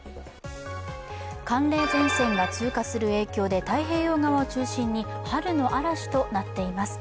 寒冷前線が通過する影響で太平洋側を中心に春の嵐となっています。